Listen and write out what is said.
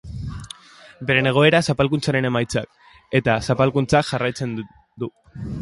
Beren egoera zapalkuntzaren emaitza da eta zapalkuntzak jarraitzen du.